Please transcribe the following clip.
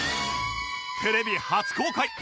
テレビ初公開！